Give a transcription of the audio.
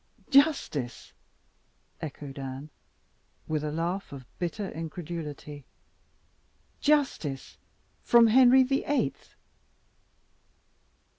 "Justice!" echoed Anne, with a laugh of bitter incredulity. "Justice from Henry the Eighth?"